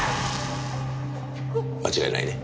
間違いないね？